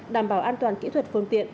đảm bảo an toàn kỹ thuật phương tiện